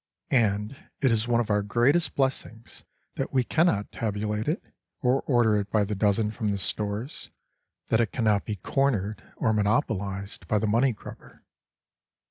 And it is one of our greatest blessings that we cannot tabulate it, or order it by the dozen from the Stores; that it cannot be "cornered" or monopolized by the money grubber.